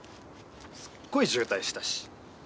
すっごい渋滞したし。